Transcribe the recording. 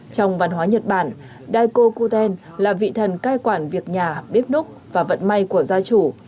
trong văn hóa nhật bản daiko kuten là vị thần cai quản việc nhà bếp núc và vận may của gia chủ